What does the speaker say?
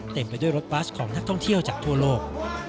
เต็มไปด้วยรถบัสของนักท่องเที่ยวจากทั่วโลก